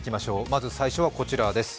まず最初は、こちらです。